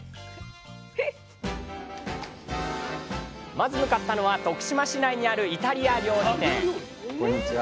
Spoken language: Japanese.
まず向かったのは徳島市内にあるイタリア料理店こんにちは。